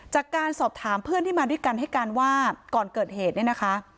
จากการสอบถามเพื่อนที่มาด้วยกันให้การว่าก่อนเกิดเหตุเนี่ยนะคะ